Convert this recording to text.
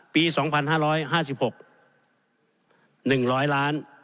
ปี๒๕๕๖๑๐๐ล้าน